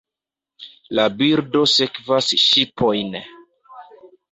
La birdo sekvas ŝipojn.